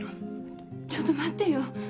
ちょっと待ってよ。